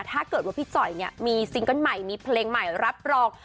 ถ้าเกิดว่าพี่จ๋อยมีซิงค์กันใหม่มีเพลงใหม่รับรอง